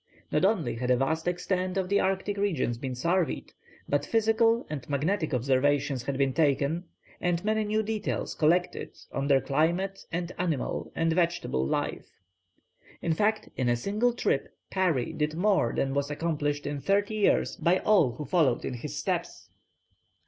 Not only had a vast extent of the Arctic regions been surveyed; but physical and magnetic observations had been taken, and many new details collected on their climate and animal and vegetable life. In fact in a single trip Parry did more than was accomplished in thirty years by all who followed in his steps.